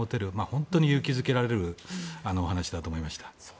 本当に勇気付けられる話だと思いました。